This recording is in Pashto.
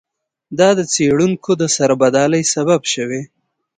دا د څېړونکو د سربدالۍ سبب شوی.